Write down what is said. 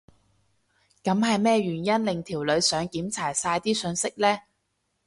噉係咩原因令條女想檢查晒啲訊息呢？